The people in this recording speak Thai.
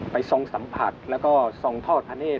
ทรงสัมผัสแล้วก็ทรงทอดพระเนธ